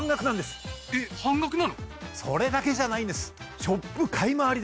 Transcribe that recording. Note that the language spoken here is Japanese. それだけじゃないんです。